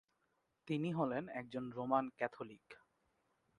তিনি হলেন একজন রোমান ক্যাথলিক।